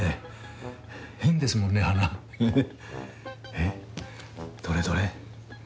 えっどれどれ。